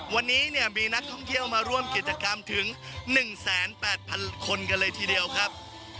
วันนี้เนี่ยมีนักท่องเที่ยวมาร่วมกิจกรรมถึง๑๘๐๐๐คนกันเลยทีเดียวครับ